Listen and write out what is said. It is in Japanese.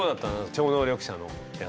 超能力者のやつ。